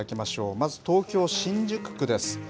まず、東京・新宿区です。